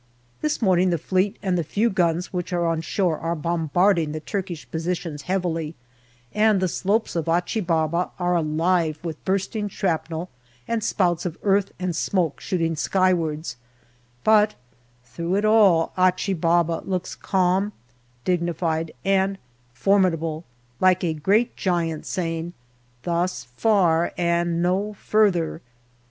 This morning the Fleet and the few guns which are on shore are bombarding the Turkish positions heavily, and the slopes of Achi Baba are alive with bursting shrapnel and spouts of earth and smoke shooting skywards, but through it all Achi Baba looks calm, dignified, and for midable, like a great giant saying " Thus far and no further."